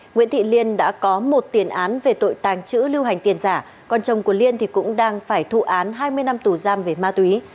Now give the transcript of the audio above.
nguyễn thị liên đã có một tiền án về tội tàng trữ lưu hành tiền giả còn chồng của liên thì cũng đang phải thụ án hai mươi năm tù giam về ma túy